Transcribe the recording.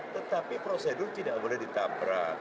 tetapi prosedur tidak boleh ditabrak